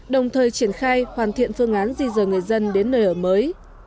đồng thời triển khai hoàn thiện phương án di rời người dân đến nơi ở mới